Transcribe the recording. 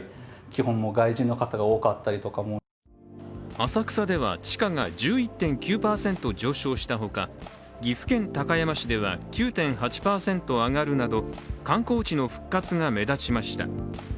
浅草では地価が１１．９％上昇したほか、岐阜県高山市では９．８％上がるなど観光地の復活が目立ちました。